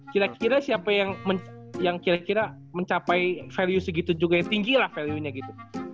kira kira siapa yang kira kira mencapai value segitu juga yang tinggi lah value nya gitu